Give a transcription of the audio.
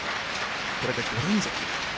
これで５連続。